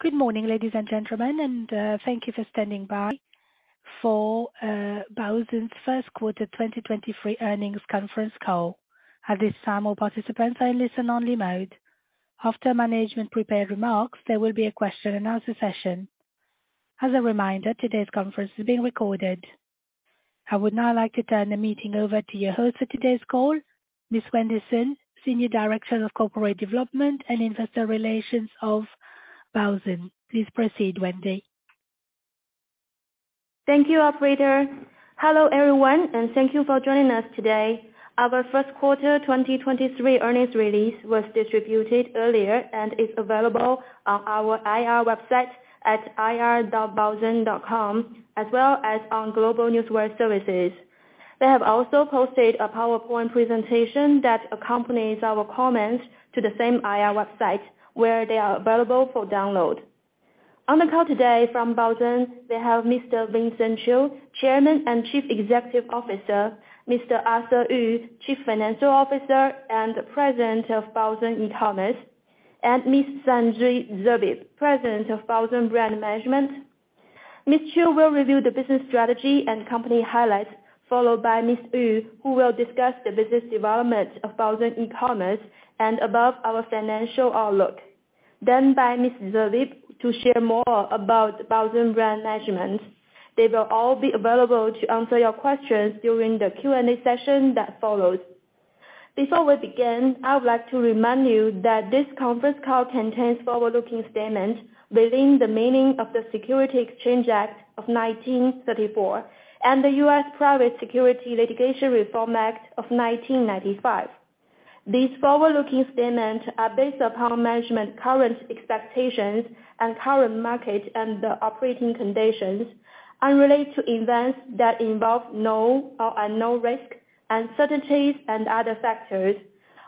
Good morning, ladies and gentlemen, thank you for standing by for Baozun's first quarter 2023 earnings conference call. At this time, all participants are in listen only mode. After management prepared remarks, there will be a question and answer session. As a reminder, today's conference is being recorded. I would now like to turn the meeting over to your host for today's call, Ms. Wendy Sun, Senior Director of Corporate Development and Investor Relations of Baozun. Please proceed, Wendy. Thank you, operator. Hello, everyone, and thank you for joining us today. Our first quarter 2023 earnings release was distributed earlier and is available on our IR website at ir.baozun.com, as well as on GlobeNewswire services. They have also posted a PowerPoint presentation that accompanies our comments to the same IR website, where they are available for download. On the call today from Baozun, we have Mr. Vincent Qiu, Chairman and Chief Executive Officer, Mr. Arthur Yu, Chief Financial Officer and President of Baozun E-Commerce, and Ms. Sandrine Zerbib, President of Baozun Brand Management. Mr. Qiu will review the business strategy and company highlights, followed by Mr. Yu, who will discuss the business development of Baozun E-Commerce and above our financial outlook. Then by Ms. Zerbib to share more about Baozun Brand Management. They will all be available to answer your questions during the Q&A session that follows. Before we begin, I would like to remind you that this conference call contains forward-looking statements within the meaning of the Securities Exchange Act of 1934 and the US Private Securities Litigation Reform Act of 1995. These forward-looking statements are based upon management current expectations and current market and operating conditions and relate to events that involve known unknown risk, uncertainties and other factors,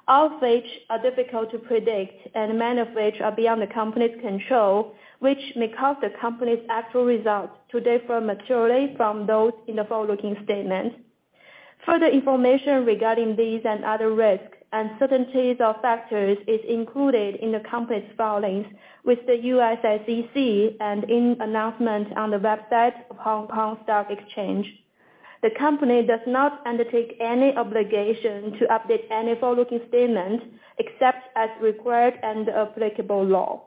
all of which are difficult to predict and many of which are beyond the company's control, which may cause the company's actual results to differ materially from those in the forward-looking statements. Further information regarding these and other risks, uncertainties, or factors is included in the company's filings with the U.S. SEC and in announcement on the website of Hong Kong Stock Exchange. The company does not undertake any obligation to update any forward-looking statement except as required under applicable law.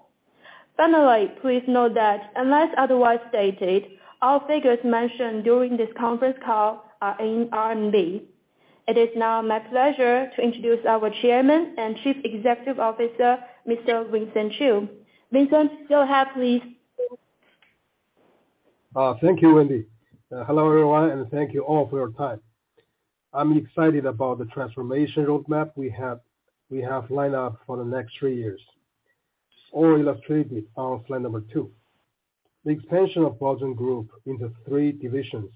Finally, please note that unless otherwise stated, all figures mentioned during this conference call are in RMB. It is now my pleasure to introduce our Chairman and Chief Executive Officer, Mr. Vincent Qiu. Vincent, go ahead, please. Thank you, Wendy. Hello, everyone, thank you all for your time. I'm excited about the transformation roadmap we have lined up for the next three years, all illustrated on slide number 2. The expansion of Baozun Group into 3 divisions,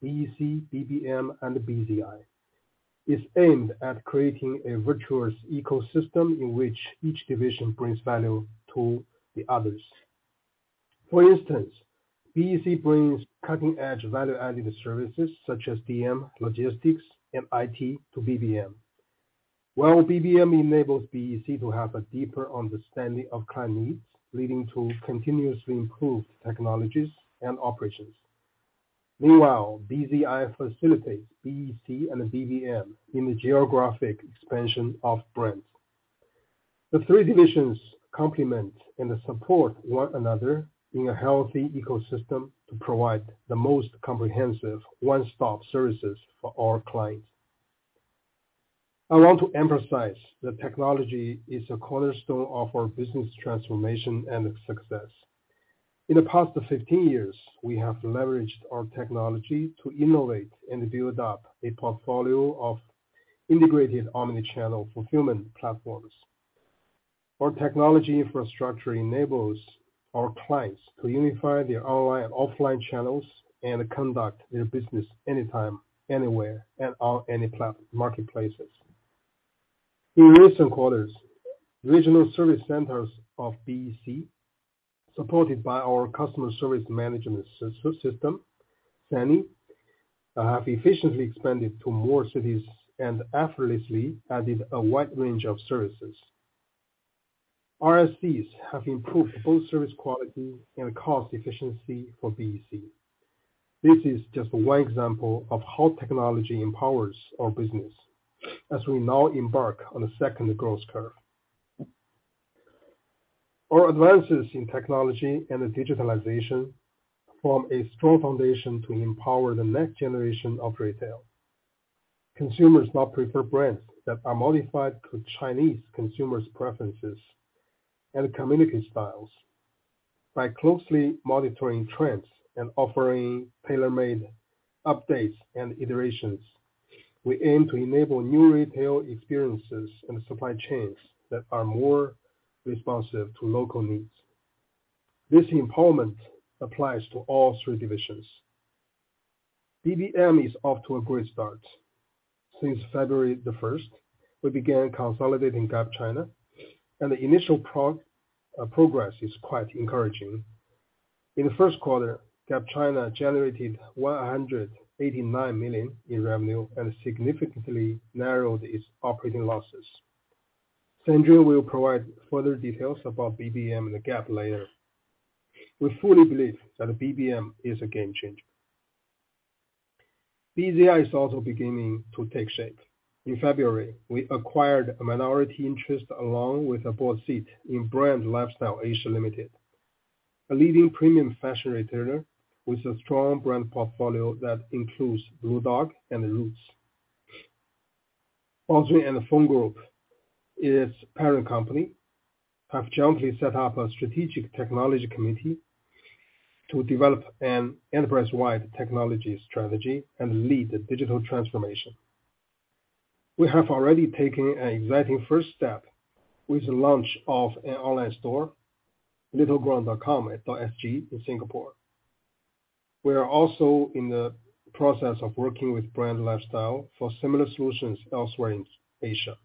BEC, BBM, and BZI, is aimed at creating a virtuous ecosystem in which each division brings value to the others. For instance, BEC brings cutting-edge value-added services such as DM, logistics, and IT to BBM. BBM enables BEC to have a deeper understanding of client needs, leading to continuously improved technologies and operations. BZI facilitates BEC and BBM in the geographic expansion of brands. The 3 divisions complement and support one another in a healthy ecosystem to provide the most comprehensive one-stop services for our clients. I want to emphasize that technology is a cornerstone of our business transformation and success. In the past 15 years, we have leveraged our technology to innovate and build up a portfolio of integrated omni-channel fulfillment platforms. Our technology infrastructure enables our clients to unify their online and offline channels and conduct their business anytime, anywhere, and on any marketplaces. In recent quarters, regional service centers of BEC, supported by our customer service management system, SANI, have efficiently expanded to more cities and effortlessly added a wide range of services. RSCs have improved both service quality and cost efficiency for BEC. This is just one example of how technology empowers our business as we now embark on a second growth curve. Our advances in technology and digitalization form a strong foundation to empower the next generation of retail. Consumers now prefer brands that are modified to Chinese consumers' preferences and communication styles. By closely monitoring trends and offering tailor-made updates and iterations, we aim to enable new retail experiences and supply chains that are more responsive to local needs. This empowerment applies to all three divisions. BBM is off to a great start. Since February 1st, we began consolidating Gap China, and the initial progress is quite encouraging. In the first quarter, Gap China generated 189 million in revenue and significantly narrowed its operating losses. Sandrine will provide further details about BBM and Gap later. We fully believe that BBM is a game changer. BZI is also beginning to take shape. In February, we acquired a minority interest along with a board seat in Branded Lifestyle Asia Limited, a leading premium fashion retailer with a strong brand portfolio that includes Blue Dog and Roots. The Baozun Group, its parent company, have jointly set up a strategic technology committee to develop an enterprise-wide technology strategy and lead the digital transformation. We have already taken an exciting first step with the launch of an online store, littleground.com.sg in Singapore. We are also in the process of working with Brand Lifestyle for similar solutions elsewhere in Asia.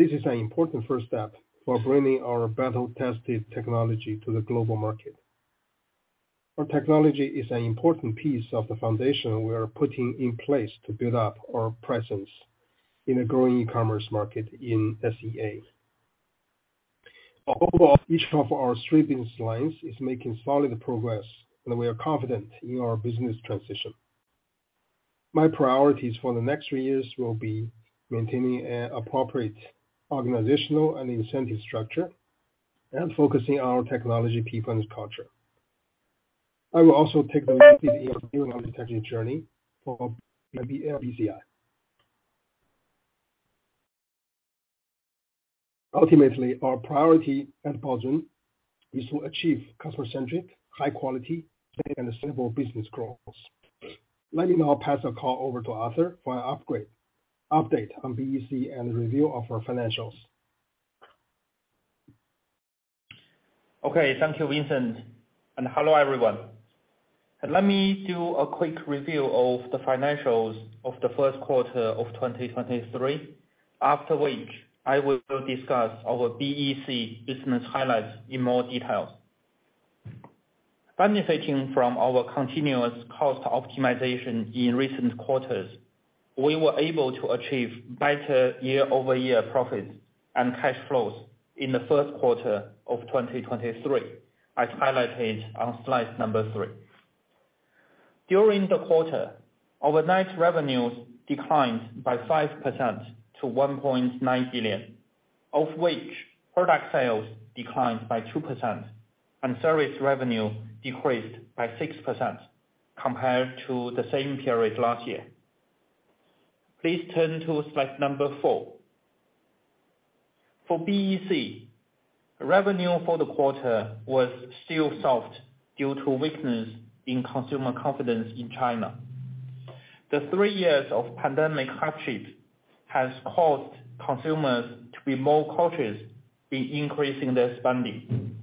This is an important first step for bringing our battle-tested technology to the global market. Our technology is an important piece of the foundation we are putting in place to build up our presence in a growing e-commerce market in SEA. Each of our three business lines is making solid progress, and we are confident in our business transition. My priorities for the next three years will be maintaining an appropriate organizational and incentive structure and focusing on technology, people, and culture. I will also take the opportunity in technology journey for the BZI. Ultimately, our priority at Baozun is to achieve customer-centric, high quality, and sustainable business growth. Let me now pass the call over to Arthur for an upgrade, update on BEC and review of our financials. Okay. Thank you, Vincent, and hello, everyone. Let me do a quick review of the financials of the first quarter of 2023, after which I will discuss our BEC business highlights in more details. Benefiting from our continuous cost optimization in recent quarters, we were able to achieve better year-over-year profits and cash flows in the first quarter of 2023, as highlighted on slide number three. During the quarter, overnight revenues declined by 5% to 1.9 billion, of which product sales declined by 2% and service revenue decreased by 6% compared to the same period last year. Please turn to slide number four. For BEC, revenue for the quarter was still soft due to weakness in consumer confidence in China. The 3 years of pandemic hardship has caused consumers to be more cautious in increasing their spending,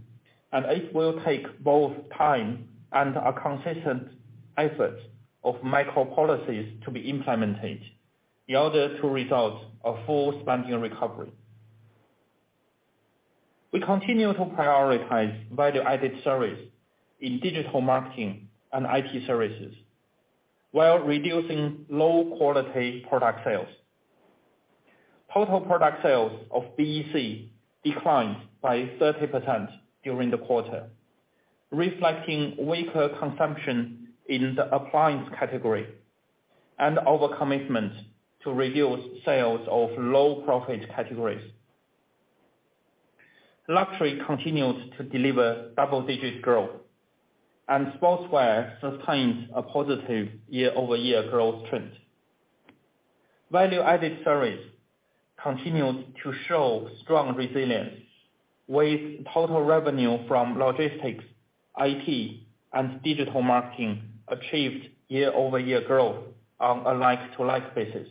it will take both time and a consistent effort of micro policies to be implemented in order to result a full spending recovery. We continue to prioritize value-added service in digital marketing and IT services while reducing low-quality product sales. Total product sales of BEC declined by 30% during the quarter, reflecting weaker consumption in the appliance category and our commitment to reduce sales of low-profit categories. Luxury continues to deliver double-digit growth, sportswear sustains a positive year-over-year growth trend. Value-added service continues to show strong resilience, with total revenue from logistics, IT, and digital marketing achieved year-over-year growth on a like-to-like basis.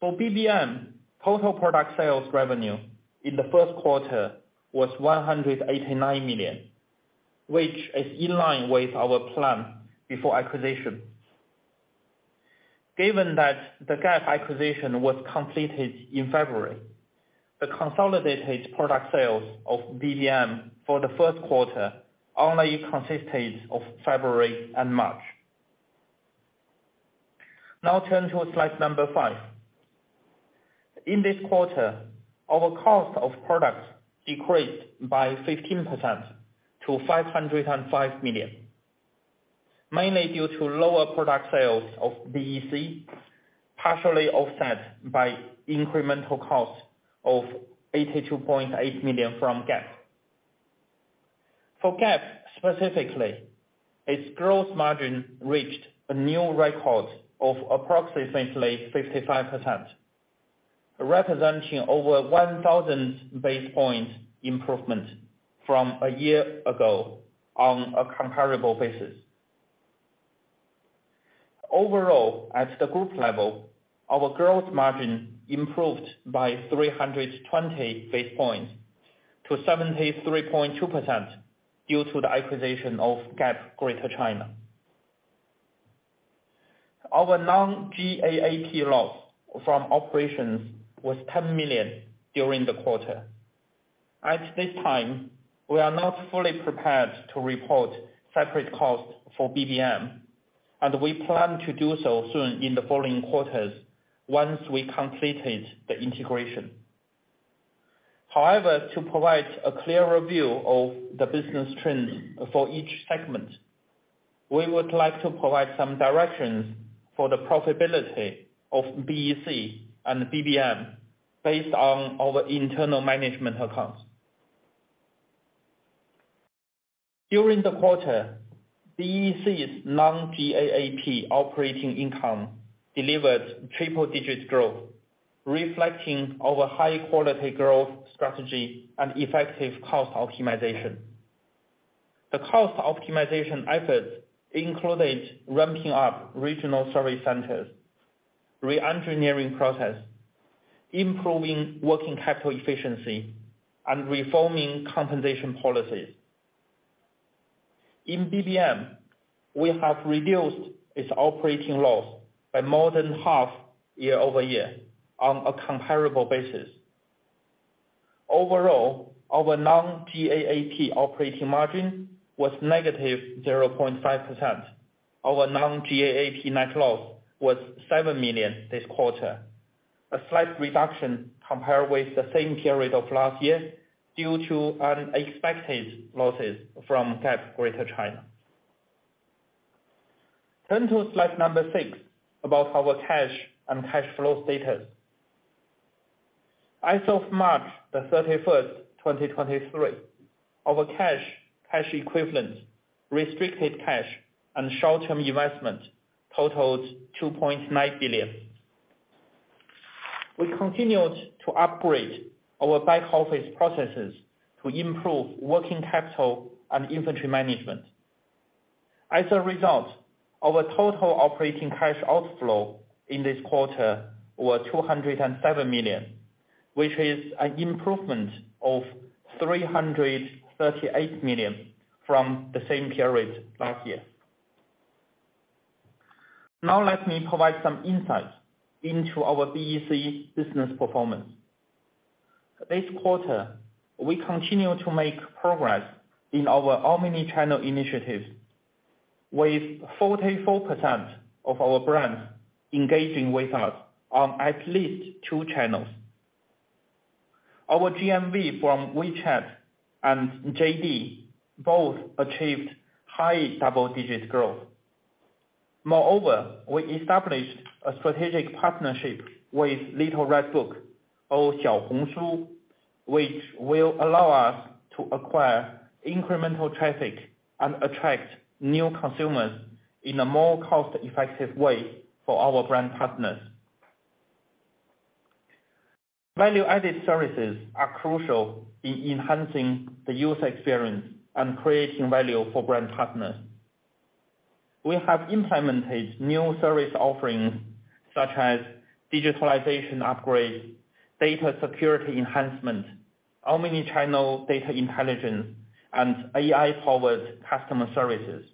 For BBM, total product sales revenue in the first quarter was 189 million, which is in line with our plan before acquisition. Given that the Gap acquisition was completed in February, the consolidated product sales of BBM for the first quarter only consisted of February and March. Turn to slide 5. In this quarter, our cost of products decreased by 15% to 505 million, mainly due to lower product sales of BEC, partially offset by incremental cost of 82.8 million from Gap. For Gap, specifically, its growth margin reached a new record of approximately 55%, representing over 1,000 basis points improvement from a year ago on a comparable basis. At the group level, our growth margin improved by 320 basis points to 73.2% due to the acquisition of Gap Greater China. Our non-GAAP loss from operations was 10 million during the quarter. At this time, we are not fully prepared to report separate costs for BBM, and we plan to do so soon in the following quarters once we completed the integration. However, to provide a clearer view of the business trends for each segment, we would like to provide some directions for the profitability of BEC and BBM based on our internal management accounts. During the quarter, BEC's non-GAAP operating income delivered triple digit growth, reflecting our high quality growth strategy and effective cost optimization. The cost optimization efforts included ramping up regional service centers, re-engineering process, improving working capital efficiency, and reforming compensation policies. In BBM, we have reduced its operating loss by more than half year-over-year on a comparable basis. Overall, our non-GAAP operating margin was negative 0.5%. Our non-GAAP net loss was 7 million this quarter, a slight reduction compared with the same period of last year, due to unexpected losses from SAP Greater China. Turn to slide number 6, about our cash and cash flow status. As of March 31, 2023, our cash equivalent, restricted cash, and short-term investment totaled 2.9 billion. We continued to upgrade our back office processes to improve working capital and inventory management. As a result, our total operating cash outflow in this quarter were 207 million, which is an improvement of 338 million from the same period last year. Let me provide some insights into our BEC business performance. This quarter, we continue to make progress in our omni-channel initiatives, with 44% of our brands engaging with us on at least two channels. Our GMV from WeChat and JD both achieved high double-digit growth. We established a strategic partnership with Little Red Book or Xiaohongshu, which will allow us to acquire incremental traffic and attract new consumers in a more cost-effective way for our brand partners. Value-added services are crucial in enhancing the user experience and creating value for brand partners. We have implemented new service offerings such as digitalization upgrades, data security enhancement, omni-channel data intelligence, and AI-powered customer services.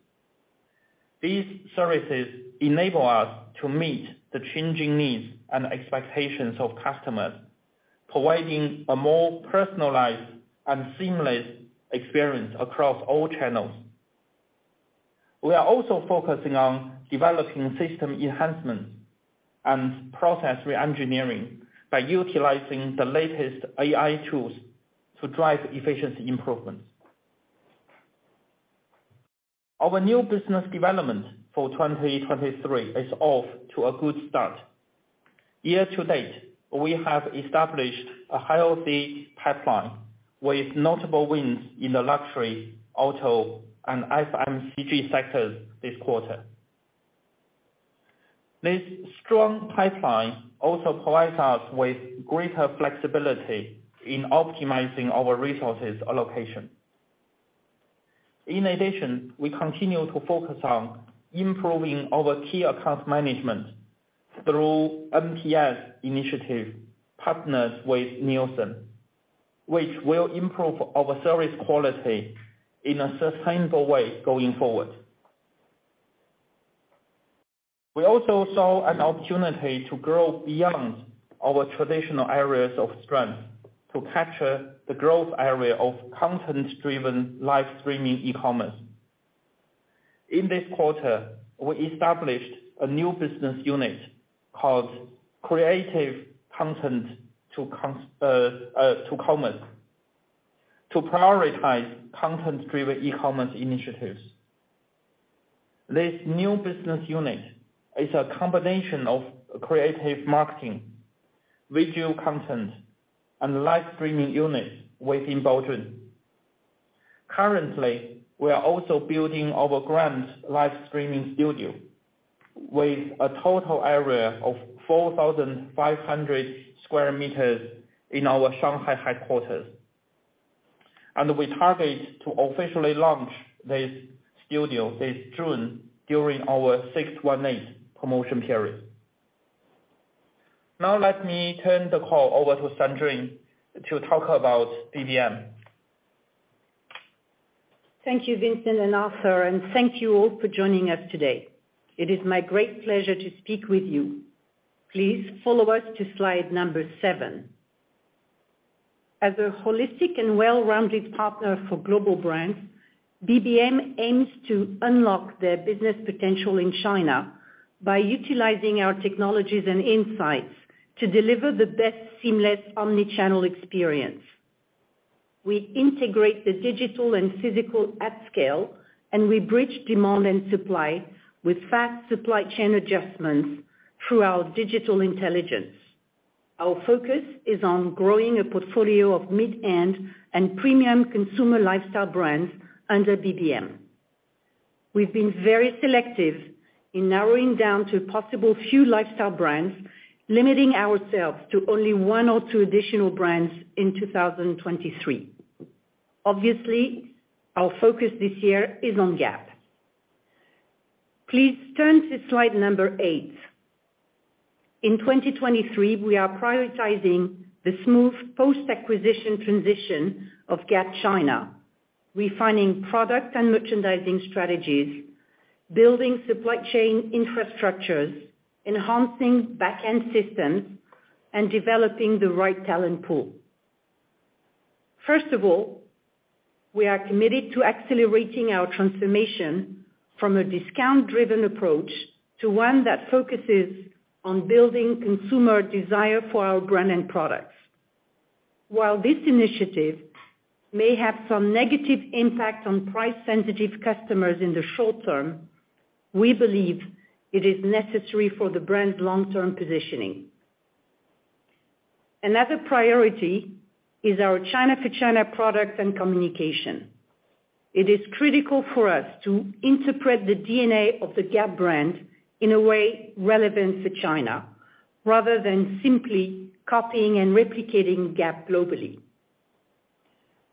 These services enable us to meet the changing needs and expectations of customers, providing a more personalized and seamless experience across all channels. We are also focusing on developing system enhancements and process re-engineering by utilizing the latest AI tools to drive efficiency improvements. Our new business development for 2023 is off to a good start. Year to date, we have established a healthy pipeline with notable wins in the luxury, auto, and FMCG sectors this quarter. This strong pipeline also provides us with greater flexibility in optimizing our resources allocation. We continue to focus on improving our key account management through MPS initiative, partners with Nielsen, which will improve our service quality in a sustainable way going forward. We also saw an opportunity to grow beyond our traditional areas of strength to capture the growth area of content-driven live streaming e-commerce. We established a new business unit called Creative Content to Commerce, to prioritize content-driven e-commerce initiatives. This new business unit is a combination of creative marketing, visual content, and live streaming units within Baozun. Currently, we are also building our grand live streaming studio with a total area of 4,500 square meters in our Shanghai headquarters, and we target to officially launch this studio this June during our 618 promotion period. Now let me turn the call over to Sandrine to talk about BBM. Thank you, Vincent and Arthur, and thank you all for joining us today. It is my great pleasure to speak with you. Please follow us to slide number 7. As a holistic and well-rounded partner for global brands, BBM aims to unlock their business potential in China by utilizing our technologies and insights to deliver the best seamless omnichannel experience. We integrate the digital and physical at scale, and we bridge demand and supply with fast supply chain adjustments through our digital intelligence. Our focus is on growing a portfolio of mid-end and premium consumer lifestyle brands under BBM. We've been very selective in narrowing down to possible few lifestyle brands, limiting ourselves to only 1 or 2 additional brands in 2023. Obviously, our focus this year is on Gap. Please turn to slide number 8. In 2023, we are prioritizing the smooth post-acquisition transition of Gap China, refining product and merchandising strategies, building supply chain infrastructures, enhancing back-end systems, and developing the right talent pool. First of all, we are committed to accelerating our transformation from a discount-driven approach to one that focuses on building consumer desire for our brand and products. While this initiative may have some negative impact on price-sensitive customers in the short term, we believe it is necessary for the brand's long-term positioning. Another priority is our China for China products and communication. It is critical for us to interpret the DNA of the Gap brand in a way relevant to China, rather than simply copying and replicating Gap globally.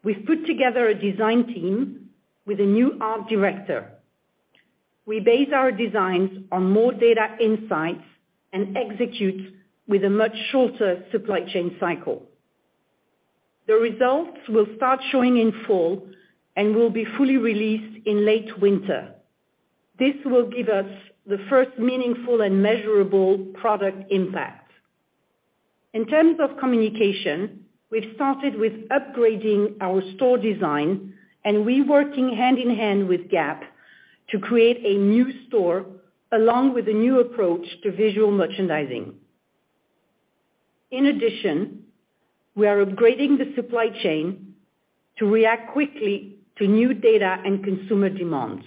We've put together a design team with a new art director. We base our designs on more data insights and execute with a much shorter supply chain cycle. The results will start showing in fall and will be fully released in late winter. This will give us the first meaningful and measurable product impact. In terms of communication, we've started with upgrading our store design and we working hand in hand with Gap to create a new store, along with a new approach to visual merchandising. We are upgrading the supply chain to react quickly to new data and consumer demands.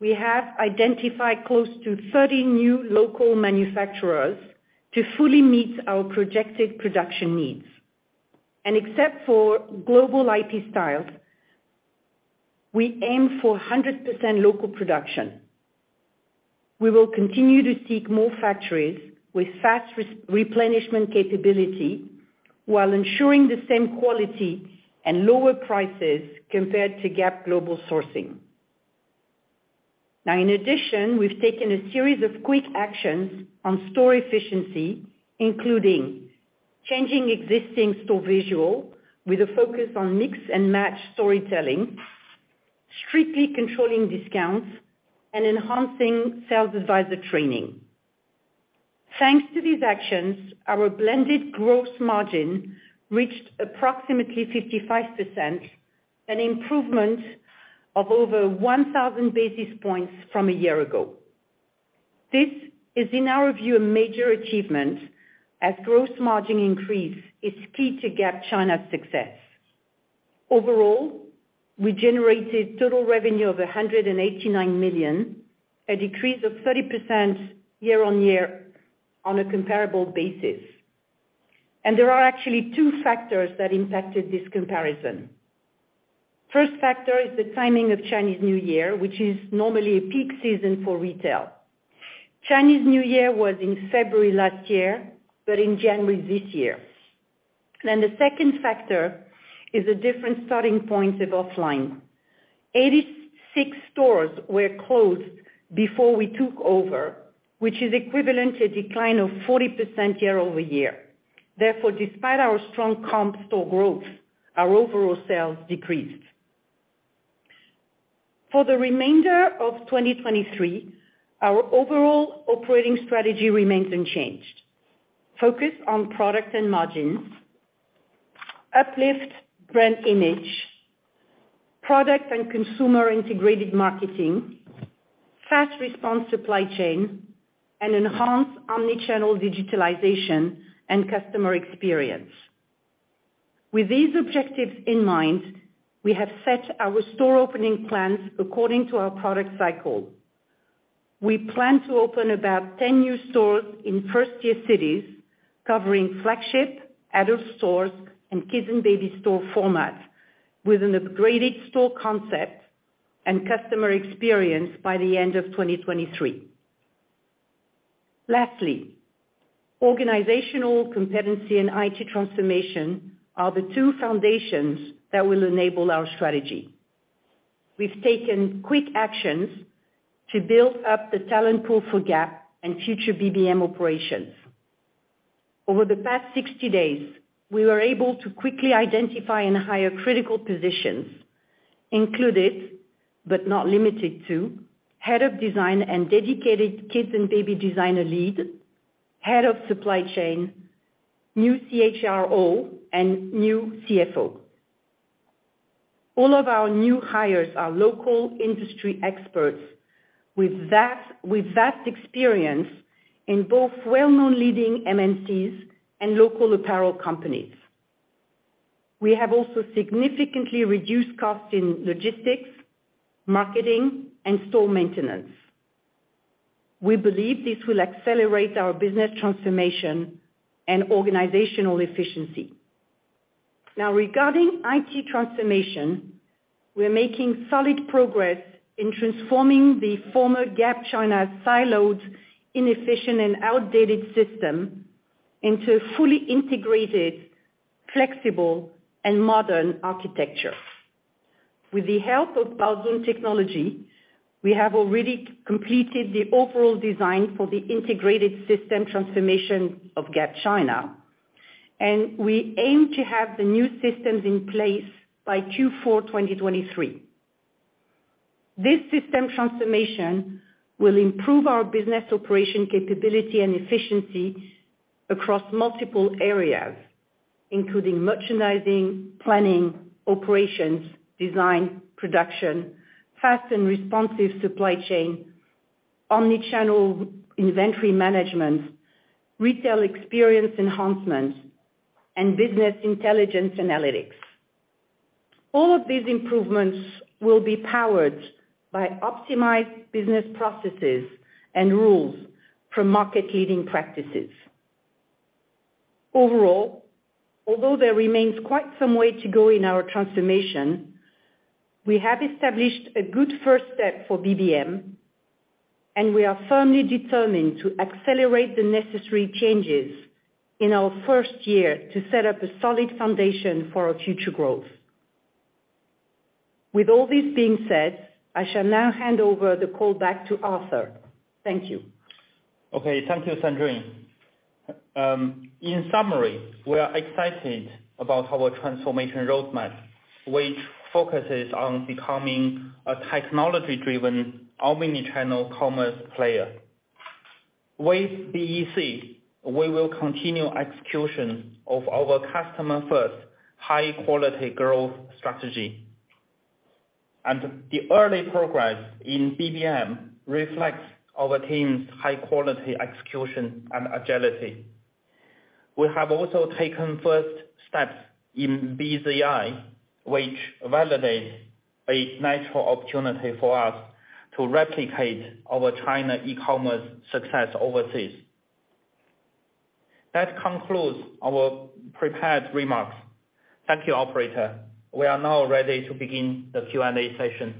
We have identified close to 30 new local manufacturers to fully meet our projected production needs. Except for global IP styles, we aim for 100% local production. We will continue to seek more factories with fast replenishment capability, while ensuring the same quality and lower prices compared to Gap global sourcing. In addition, we've taken a series of quick actions on store efficiency, including changing existing store visual with a focus on mix and match storytelling, strictly controlling discounts, and enhancing sales advisor training. Thanks to these actions, our blended gross margin reached approximately 55%, an improvement of over 1,000 basis points from a year ago. This is, in our view, a major achievement, as gross margin increase is key to Gap China's success. Overall, we generated total revenue of 189 million, a decrease of 30% year-over-year on a comparable basis. There are actually two factors that impacted this comparison. First factor is the timing of Chinese New Year, which is normally a peak season for retail. Chinese New Year was in February last year, but in January this year. The second factor is the different starting points of offline. 86 stores were closed before we took over, which is equivalent to a decline of 40% year-over-year. Despite our strong comp store growth, our overall sales decreased. For the remainder of 2023, our overall operating strategy remains unchanged. Focus on products and margins, uplift brand image, product and consumer-integrated marketing, fast response supply chain, and enhanced omnichannel digitalization and customer experience. With these objectives in mind, we have set our store opening plans according to our product cycle. We plan to open about 10 new stores in first-year cities, covering flagship, adult stores, and kids and baby store formats, with an upgraded store concept and customer experience by the end of 2023. Organizational competency and IT transformation are the two foundations that will enable our strategy. We've taken quick actions to build up the talent pool for Gap and future BBM operations.... Over the past 60 days, we were able to quickly identify and hire critical positions, included but not limited to, head of design and dedicated kids and baby designer lead, head of supply chain, new CHRO, and new CFO. All of our new hires are local industry experts with vast experience in both well-known leading MNCs and local apparel companies. We have also significantly reduced costs in logistics, marketing, and store maintenance. We believe this will accelerate our business transformation and organizational efficiency. Regarding IT transformation, we are making solid progress in transforming the former Gap China siloed, inefficient, and outdated system into a fully integrated, flexible, and modern architecture. With the help of Baozun Technology, we have already completed the overall design for the integrated system transformation of Gap China, and we aim to have the new systems in place by Q4, 2023. This system transformation will improve our business operation capability and efficiency across multiple areas, including merchandising, planning, operations, design, production, fast and responsive supply chain, omni-channel inventory management, retail experience enhancement, and business intelligence analytics. All of these improvements will be powered by optimized business processes and rules from market-leading practices. Overall, although there remains quite some way to go in our transformation, we have established a good first step for BBM. We are firmly determined to accelerate the necessary changes in our first year to set up a solid foundation for our future growth. With all this being said, I shall now hand over the call back to Arthur. Thank you. Okay. Thank you, Sandrine. In summary, we are excited about our transformation roadmap, which focuses on becoming a technology-driven, omni-channel commerce player. With BEC, we will continue execution of our customer-first, high-quality growth strategy, and the early progress in BBM reflects our team's high quality, execution, and agility. We have also taken first steps in BZI, which validates a natural opportunity for us to replicate our China e-commerce success overseas. That concludes our prepared remarks. Thank you, operator. We are now ready to begin the Q&A session.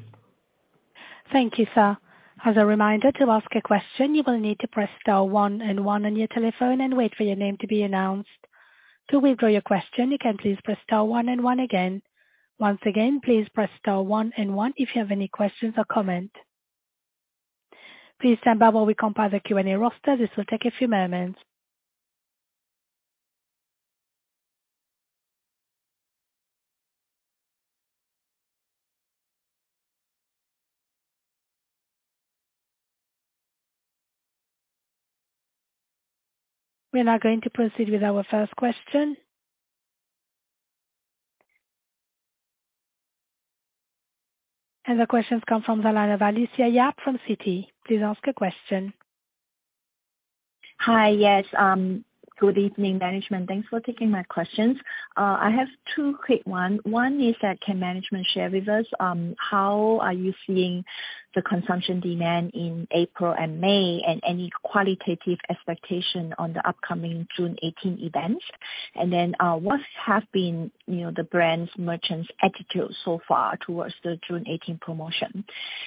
Thank you, sir. As a reminder, to ask a question, you will need to press star one and one on your telephone and wait for your name to be announced. To withdraw your question, you can please press star one and one again. Once again, please press star one and one if you have any questions or comment. Please stand by while we compile the Q&A roster. This will take a few moments. We are now going to proceed with our first question. The question comes from the line of Alicia Yap from Citi. Please ask a question. Hi. Yes, good evening, management. Thanks for taking my questions. I have 2 quick one. One is that, can management share with us, how are you seeing the consumption demand in April and May, and any qualitative expectation on the upcoming June 18 events? What have been, you know, the brand's merchants' attitude so far towards the June 18 promotion?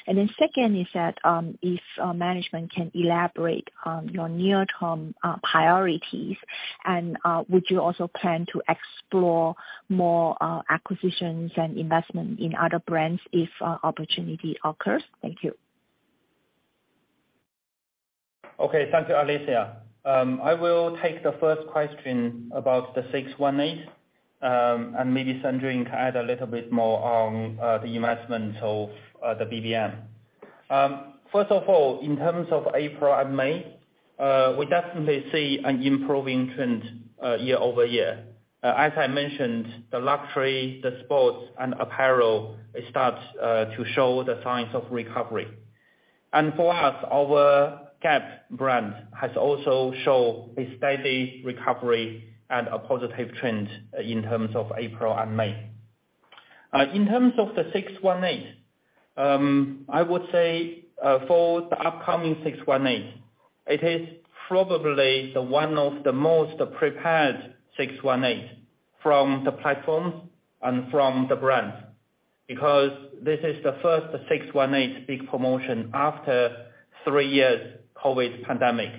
2nd is that, if management can elaborate on your near-term priorities, and would you also plan to explore more acquisitions and investment in other brands if opportunity occurs? Thank you. Okay, thank you, Alicia. I will take the first question about the 618, and maybe Sandrine can add a little bit more on the investment of the BBM. First of all, in terms of April and May, we definitely see an improving trend year-over-year. As I mentioned, the luxury, the sports, and apparel, it starts to show the signs of recovery. For us, our Gap brand has also shown a steady recovery and a positive trend in terms of April and May. In terms of the 618, I would say for the upcoming 618, it is probably the one of the most prepared 618 from the platform and from the brands, because this is the first 618 big promotion after 3 years COVID pandemic.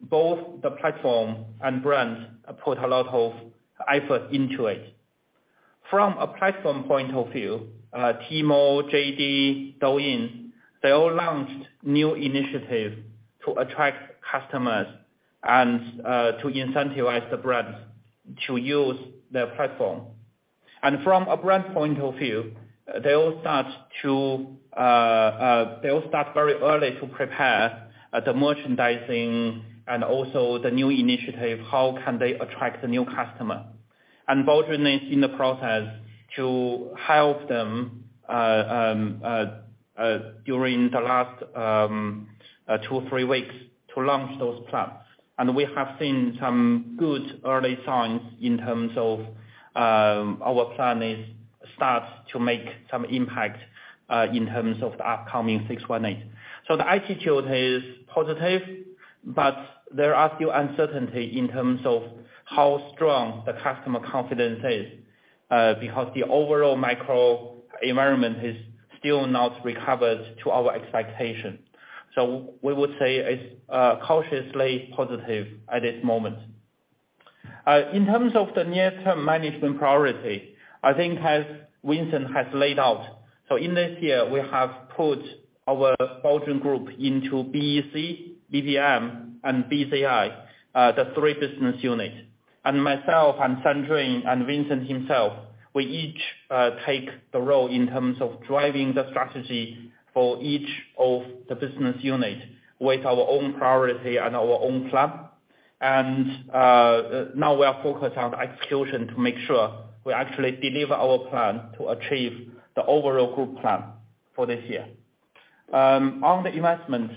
Both the platform and brands put a lot of effort into it. From a platform point of view, Tmall, JD.com, Douyin, they all launched new initiatives to attract customers and to incentivize the brands to use their platform. From a brand point of view, they all start very early to prepare the merchandising and also the new initiative, how can they attract the new customer? Baozun is in the process to help them during the last 2 or 3 weeks to launch those plans. We have seen some good early signs in terms of our plan is starts to make some impact in terms of the upcoming 618. The attitude is positive, but there are still uncertainty in terms of how strong the customer confidence is because the overall micro environment is still not recovered to our expectation. We would say it's cautiously positive at this moment. In terms of the near-term management priority, I think as Vincent has laid out, in this year, we have put our Baozun Group into BEC, BBM and BZI, the three business units. Myself and Sandrine and Vincent himself, we each take the role in terms of driving the strategy for each of the business unit with our own priority and our own plan. Now we are focused on execution to make sure we actually deliver our plan to achieve the overall group plan for this year. On the investment,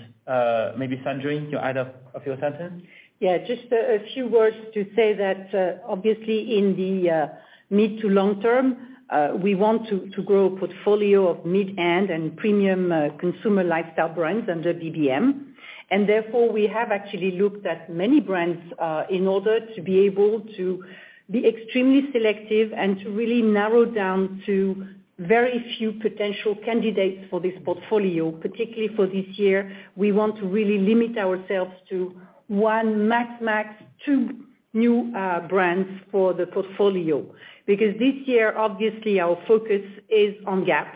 maybe, Sandrine, you add a few sentence? Yeah, just a few words to say that obviously in the mid to long term, we want to grow a portfolio of mid-end and premium consumer lifestyle brands under BBM. Therefore, we have actually looked at many brands in order to be able to be extremely selective and to really narrow down to very few potential candidates for this portfolio. Particularly for this year, we want to really limit ourselves to 1, max 2 new brands for the portfolio. This year, obviously, our focus is on Gap,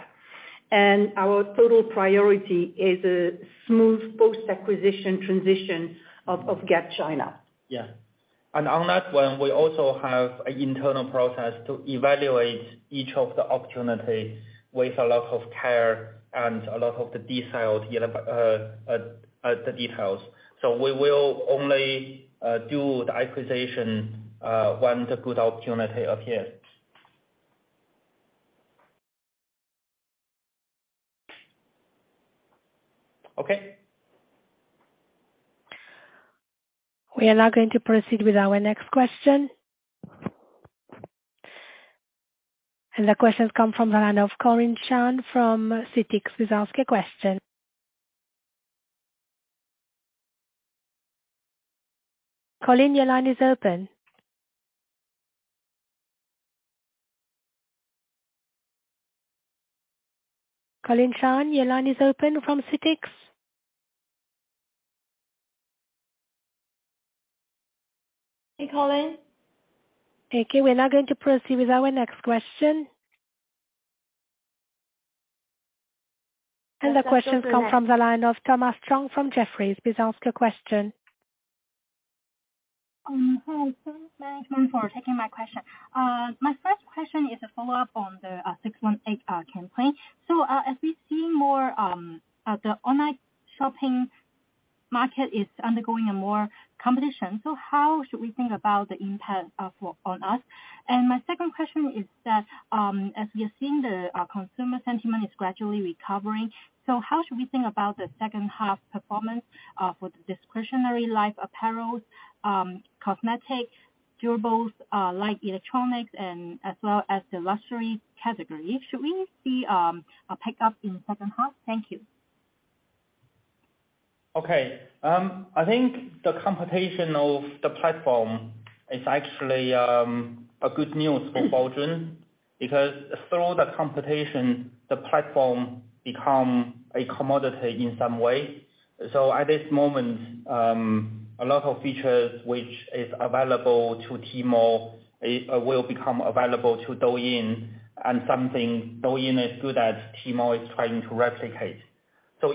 and our total priority is a smooth post-acquisition transition of Gap China. Yeah. On that one, we also have an internal process to evaluate each of the opportunities with a lot of care and a lot of the details. We will only do the acquisition when the good opportunity appears. Okay? We are now going to proceed with our next question. The question comes from the line of Colin Chen from CITIC. Please ask your question. Colin, your line is open. Colin Chen, your line is open from CITIC. Hey, Colin? Okay, we're now going to proceed with our next question. The question comes from the line of Thomas Chong from Jefferies. Please ask your question. Hi, thanks, management, for taking my question. My first question is a follow-up on the 618 campaign. As we see more, the online shopping market is undergoing a more competition, how should we think about the impact on us? My second question is that, as we have seen, the consumer sentiment is gradually recovering, so how should we think about the second half performance for the discretionary life apparels, cosmetics, durables, like electronics and as well as the luxury category? Should we see a pickup in second half? Thank you. Okay. I think the competition of the platform is actually good news for Baozun, because through the competition, the platform becomes a commodity in some way. At this moment, a lot of features which is available to Tmall, will become available to Douyin, and something Douyin is good at, Tmall is trying to replicate.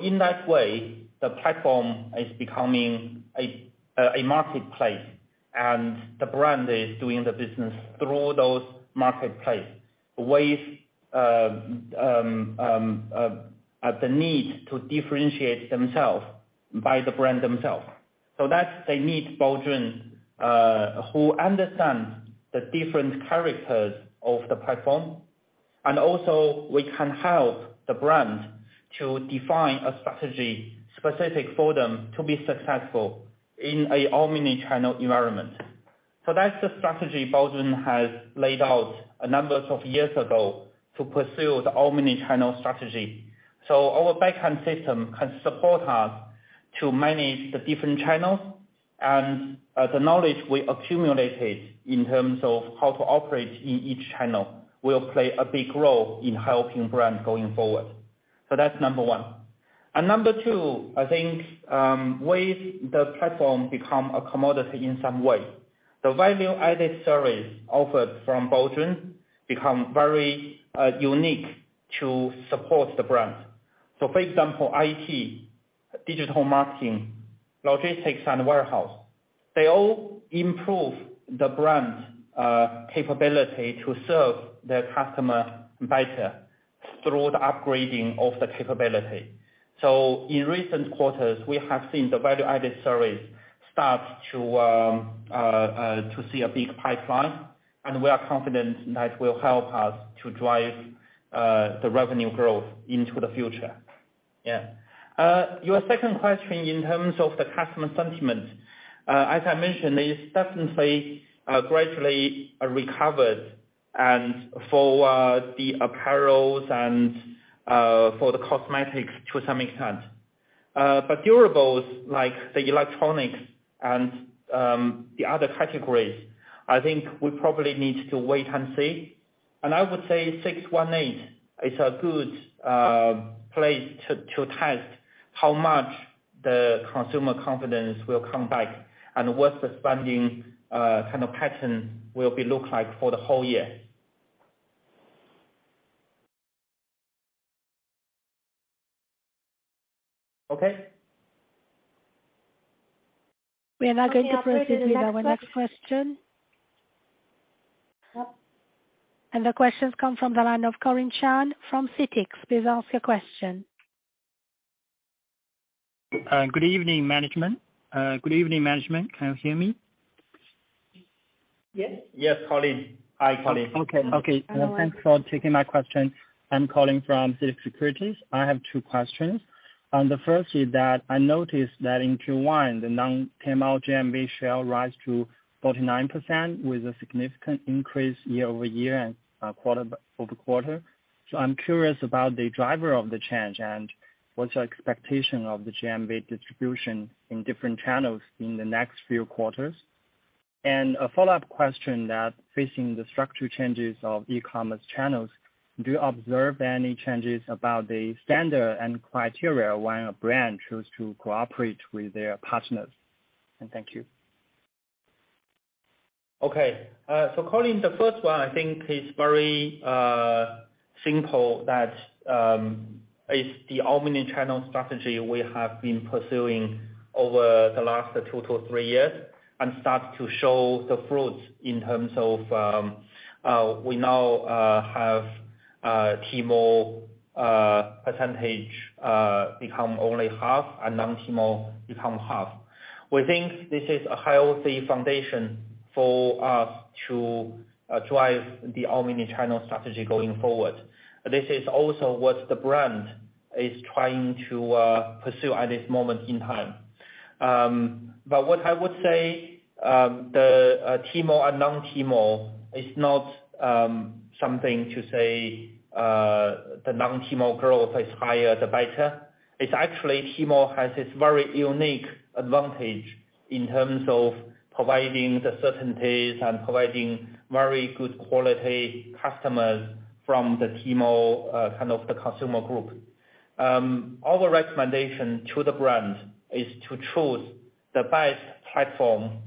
In that way, the platform is becoming a marketplace, and the brands are doing the business through those marketplaces with the need to differentiate themselves by the brands themselves. That's they need Baozun who understand the different characters of the platform, and also we can help the brands to define a strategy specific for them to be successful in an omni-channel environment. That's the strategy Baozun has laid out a number of years ago to pursue the omni-channel strategy. Our back-end system can support us to manage the different channels, and the knowledge we accumulated in terms of how to operate in each channel, will play a big role in helping brands going forward. That's number one. Number two, I think, with the platform become a commodity in some way, the value-added service offered from Baozun Group become very unique to support the brand. For example, IT, digital marketing, logistics, and warehouse, they all improve the brand capability to serve their customer better through the upgrading of the capability. In recent quarters, we have seen the value-added service start to see a big pipeline, and we are confident that will help us to drive the revenue growth into the future. Yeah. Your second question in terms of the customer sentiment, as I mentioned, it is definitely, gradually recovered and for the apparels and for the cosmetics to some extent. Durables like the electronics and the other categories, I think we probably need to wait and see. I would say 618 is a good place to test how much the consumer confidence will come back and what the spending kind of pattern will be look like for the whole year. Okay. We are now going to proceed with our next question. The question comes from the line of Colin Chen from CITIC. Please ask your question. Good evening, management. Can you hear me? Yes. Yes, Colin. Hi, Colin. Okay. Okay. Thanks for taking my question. I'm Colin from CITIC Securities. I have two questions. The first is that I noticed that in Q1, the non-Tmall GMV share rose to 49% with a significant increase year-over-year and quarter-over-quarter. I'm curious about the driver of the change and what's your expectation of the GMV distribution in different channels in the next few quarters? A follow-up question that, facing the structural changes of e-commerce channels, do you observe any changes about the standard and criteria when a brand choose to cooperate with their partners? Thank you. Okay. Colin, the first one I think is very simple, that it's the omni-channel strategy we have been pursuing over the last two to three years and start to show the fruits in terms of, we now have Tmall percentage become only half and non-Tmall become half. We think this is a healthy foundation for us to drive the omni-channel strategy going forward. This is also what the brand is trying to pursue at this moment in time. What I would say, the Tmall and non-Tmall is not something to say, the non-Tmall growth is higher, the better. It's actually, Tmall has its very unique advantage in terms of providing the certainties and providing very good quality customers from the Tmall kind of the consumer group. Our recommendation to the brand is to choose the best platform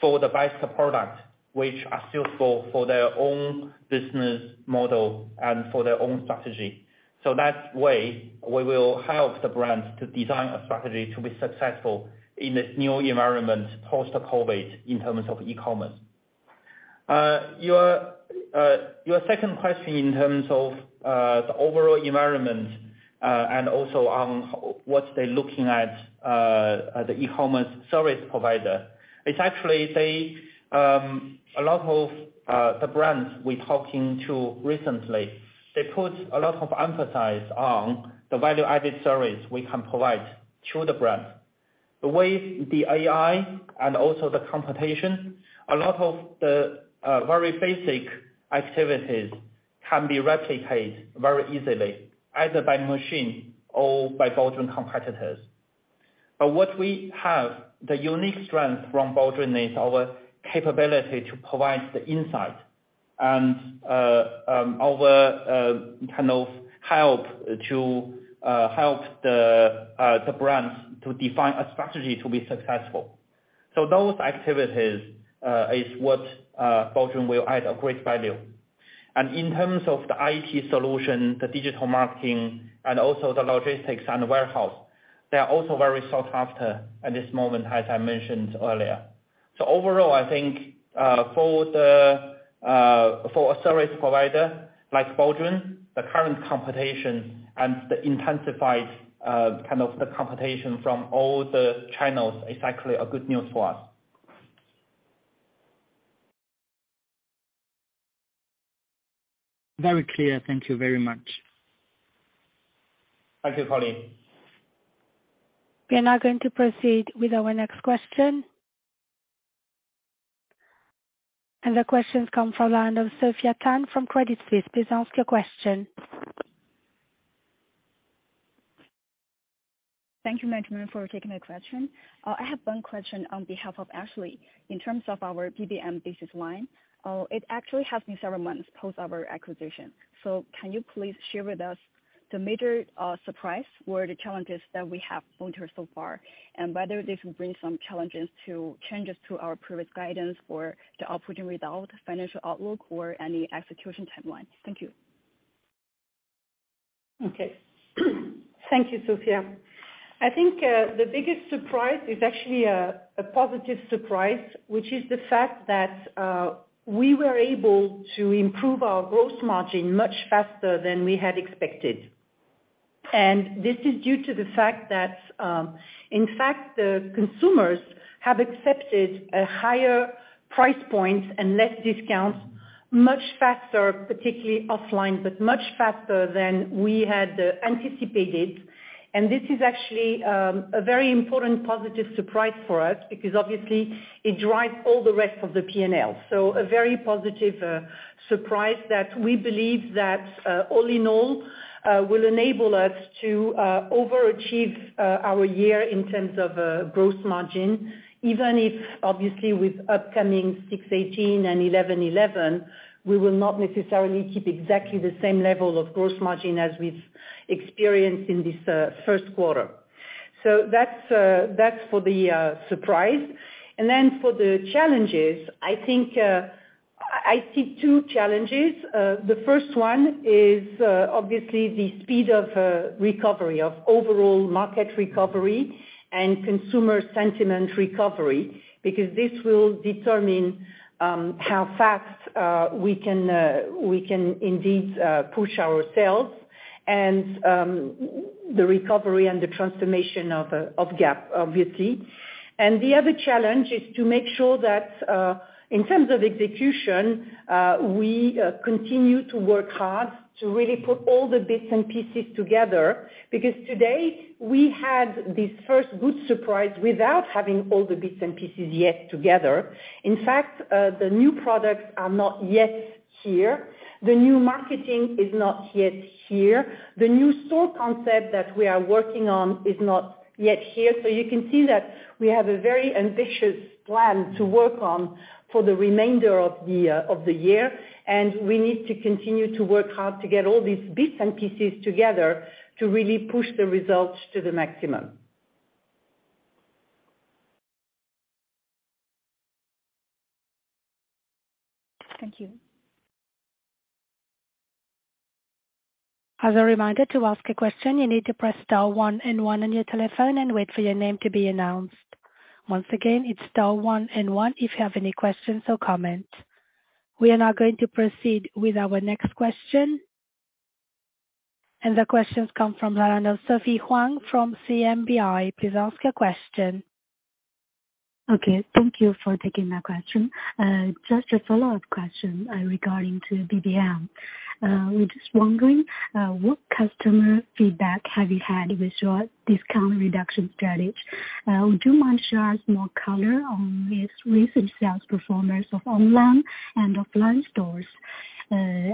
for the best product, which are suitable for their own business model and for their own strategy. That way, we will help the brands to design a strategy to be successful in this new environment post-COVID in terms of e-commerce. Your second question in terms of the overall environment, and also on what's they looking at at the e-commerce service provider, it's actually they, a lot of the brands we're talking to recently, they put a lot of emphasis on the value-added service we can provide to the brand. The way the AI and also the competition, a lot of the very basic activities can be replicated very easily, either by machine or by bol group competitors. What we have, the unique strength from Baozun Group is our capability to provide the insight and our kind of help to help the brands to define a strategy to be successful. Those activities is what Baozun Group will add a great value. In terms of the IT solution, the digital marketing, and also the logistics and warehouse, they are also very sought after at this moment, as I mentioned earlier. Overall, I think for the for a service provider like Baozun Group, the current competition and the intensified kind of the competition from all the channels is actually a good news for us. Very clear. Thank you very much. Thank you, Colin. We are now going to proceed with our next question. The question comes from the line of Sophia Tan from Credit Suisse. Please ask your question.... Thank you, Management, for taking my question. I have one question on behalf of Ashley. In terms of our BBM business line, it actually has been several months post our acquisition. Can you please share with us the major surprise or the challenges that we have gone through so far, and whether this will bring some changes to our previous guidance or the output and result, financial outlook, or any execution timeline? Thank you. Okay. Thank you, Sophia. I think, the biggest surprise is actually a positive surprise, which is the fact that we were able to improve our gross margin much faster than we had expected. This is due to the fact that, in fact, the consumers have accepted a higher price point and less discounts, much faster, particularly offline, but much faster than we had anticipated. This is actually a very important positive surprise for us, because obviously it drives all the rest of the PNL. A very positive surprise that we believe that all in all will enable us to overachieve our year in terms of gross margin. Even if, obviously, with upcoming 618 and 11.11, we will not necessarily keep exactly the same level of gross margin as we've experienced in this first quarter. That's for the surprise. For the challenges, I think, I see 2 challenges. The first one is obviously the speed of recovery, of overall market recovery and consumer sentiment recovery, because this will determine how fast we can we can indeed push our sales and the recovery and the transformation of Gap, obviously. The other challenge is to make sure that in terms of execution, we continue to work hard to really put all the bits and pieces together. Today, we had this first good surprise without having all the bits and pieces yet together. In fact, the new products are not yet here. The new marketing is not yet here. The new store concept that we are working on is not yet here. You can see that we have a very ambitious plan to work on for the remainder of the year, and we need to continue to work hard to get all these bits and pieces together to really push the results to the maximum. Thank you. As a reminder, to ask a question, you need to press star one and one on your telephone and wait for your name to be announced. Once again, it's star one and one if you have any questions or comments. We are now going to proceed with our next question. The question comes from Sophie Huang from CMBI. Please ask your question. Okay, thank you for taking my question. Just a follow-up question regarding to BBM. We're just wondering, what customer feedback have you had with your discount reduction strategy? Would you mind sharing more color on this recent sales performance of online and offline stores?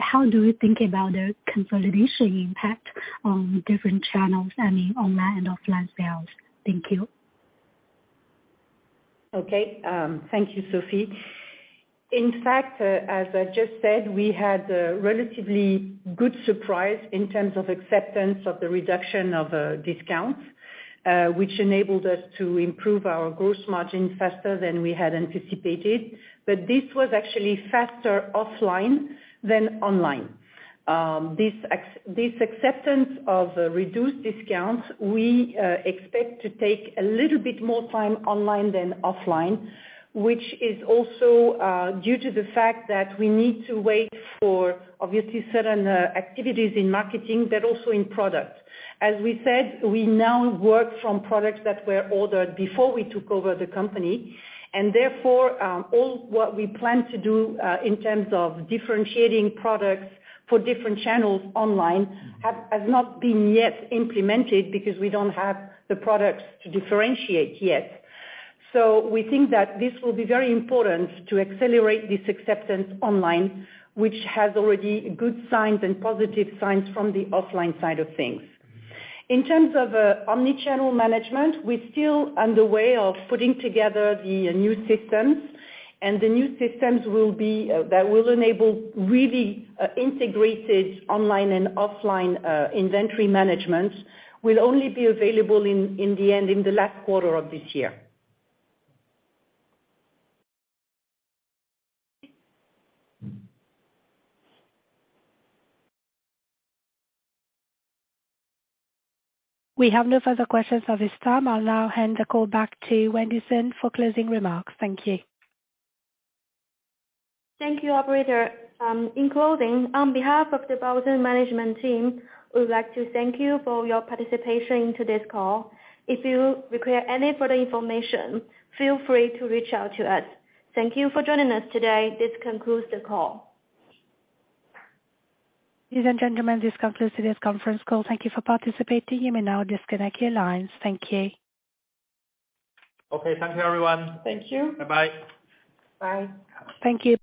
How do you think about the consolidation impact on different channels, I mean, online and offline sales? Thank you. Okay. Thank you, Sophie. In fact, as I just said, we had a relatively good surprise in terms of acceptance of the reduction of discounts, which enabled us to improve our gross margin faster than we had anticipated. This was actually faster offline than online. This acceptance of reduced discounts, we expect to take a little bit more time online than offline, which is also due to the fact that we need to wait for, obviously, certain activities in marketing, but also in product. As we said, we now work from products that were ordered before we took over the company, and therefore, all what we plan to do in terms of differentiating products for different channels online, has not been yet implemented, because we don't have the products to differentiate yet. We think that this will be very important to accelerate this acceptance online, which has already good signs and positive signs from the offline side of things. In terms of omni-channel management, we're still on the way of putting together the new systems. The new systems will be that will enable really integrated online and offline inventory management, will only be available in the end, in the last quarter of this year. We have no further questions at this time. I'll now hand the call back to Wendy Sun for closing remarks. Thank you. Thank you, operator. In closing, on behalf of the Baozun management team, we would like to thank you for your participation in today's call. If you require any further information, feel free to reach out to us. Thank you for joining us today. This concludes the call. Ladies and gentlemen, this concludes today's conference call. Thank you for participating. You may now disconnect your lines. Thank you. Okay. Thank you, everyone. Thank you. Bye-bye. Bye. Thank you.